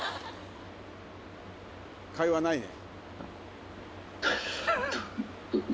会話ないね。